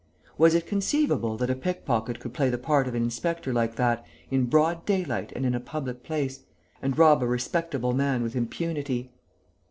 Was it conceivable that a pick pocket could play the part of an inspector like that, in broad daylight and in a public place, and rob a respectable man with impunity?